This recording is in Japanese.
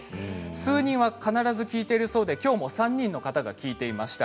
数人は必ず聞いているそうできょうも３人の方が聞いていました。